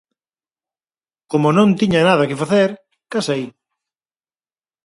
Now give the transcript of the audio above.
Como non tiña nada que facer, casei.